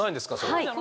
はい。